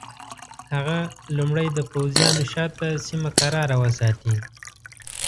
هغه لومړی د پوځیانو شاته سیمه کراره وساتي.